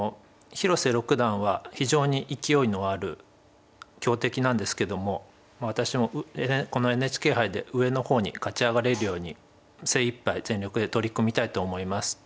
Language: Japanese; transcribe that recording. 広瀬六段は非常に勢いのある強敵なんですけども私もこのＮＨＫ杯で上の方に勝ち上がれるように精いっぱい全力で取り組みたいと思います。